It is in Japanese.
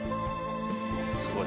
すごい！